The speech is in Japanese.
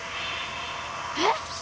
えっ！？